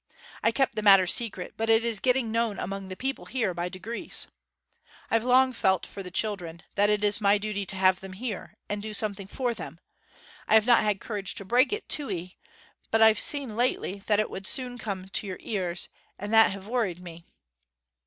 I kept the matter secret, but it is getting known among the people here by degrees. I've long felt for the children that it is my duty to have them here, and do something for them. I have not had courage to break it to 'ee, but I've seen lately that it would soon come to your ears, and that hev worried me.'